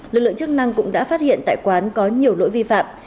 lực lượng chức năng cũng đã phát hiện tại quán có nhiều lỗi vi phạm